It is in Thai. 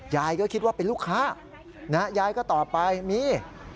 ยายก็คิดว่าเป็นลูกค้ายายก็ตอบไปมี